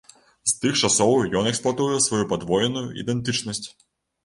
З тых часоў ён эксплуатуе сваю падвоеную ідэнтычнасць.